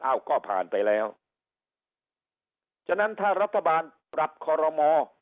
เอ้าก็ผ่านไปแล้วฉะนั้นถ้ารัฐบาลปรับคอรมอ